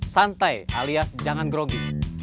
santai alias jangan grogi